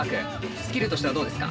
スキルとしてはどうですか？